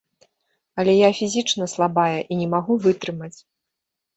Але я фізічна слабая і не магу вытрымаць.